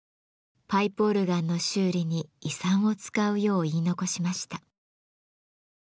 パイプオルガンの修理に遺産を使うよう言い残しました。